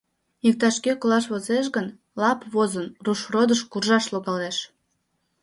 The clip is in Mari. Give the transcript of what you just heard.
Иктаж-кӧ колаш возеш гын, лап возын, Рушродыш куржаш логалеш.